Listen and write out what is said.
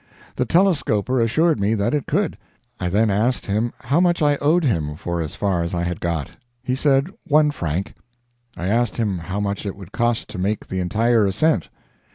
The telescoper assured me that it could. I then asked him how much I owed him for as far as I had got? He said, one franc. I asked him how much it would cost to make the entire ascent?